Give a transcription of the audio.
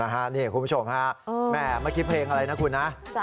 คุณผู้ชมฮะแม่เมื่อกี้เพลงอะไรนะคุณนะ